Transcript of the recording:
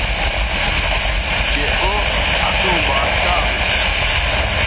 چہء او اسوں باچھا ھونݜ